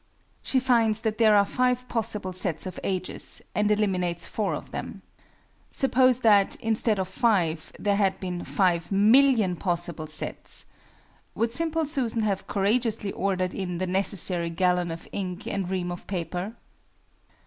She finds that there are 5 possible sets of ages, and eliminates four of them. Suppose that, instead of 5, there had been 5 million possible sets? Would SIMPLE SUSAN have courageously ordered in the necessary gallon of ink and ream of paper?